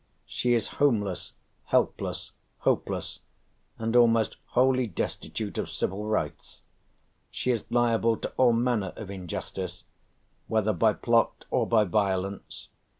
She is homeless, helpless, hopeless, and almost wholly destitute of civil rights. She is liable to all manner of injustice, whether by plot or by violence.